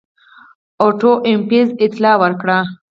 اوټو ایفز اطلاع ورکړه.